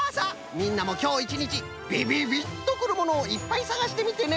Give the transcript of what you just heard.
みんなもきょういちにちビビビッとくるものをいっぱいさがしてみてね！